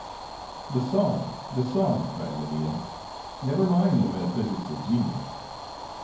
"The song! the song!" cried Media. "Never mind the metaphysics of genius."